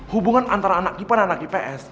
hubungan antara anak ipa dan anak ips